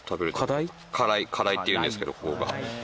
花蕾っていうんですけどここが。